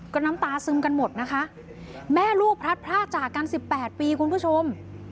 ก็น้ำตาซึมกันหมดนะคะแม่ลูกพลัดพลาดจากกันสิบแปดปีคุณผู้ชม